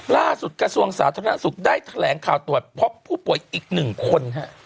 กระทรวงสาธารณสุขได้แถลงข่าวตรวจพบผู้ป่วยอีก๑คน